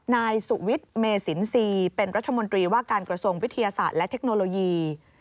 นายสุวิทย์เมสินทรีย์เป็นรัฐมนตรีว่าการกระทรวงวิทยาศาสตร์และเทคโนโลยี